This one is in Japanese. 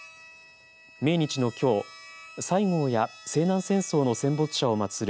命日のきょう西郷や西南戦争の戦没者をまつる